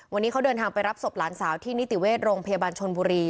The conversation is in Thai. วันนี้เขาเดินทางไปรับศพหลานสาวที่นิติเวชโรงพยาบาลชนบุรี